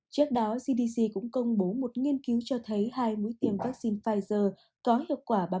trước đó cdc cũng công bố một nghiên cứu cho thấy hai mũi tiêm vaccine pfizer có hiệu quả ba